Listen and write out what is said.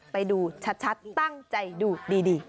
ไปดูชัดตั้งใจดูดี